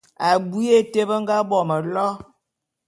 Abui ya été be nga bo mélo.